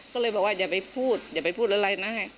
ก็เลยบอกว่าอย่าไปพูดอย่าไปพูดอะไรนะ